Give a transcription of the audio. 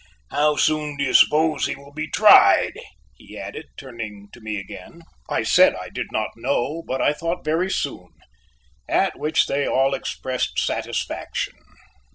"How soon do you suppose he will be tried?" he added, turning to me again. I said I did not know, but I thought very soon. At which they all expressed satisfaction.